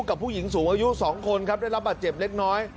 กับผู้หญิงสูงอายุ๒คนครับได้รับบาดเจ็บเล็กน้อย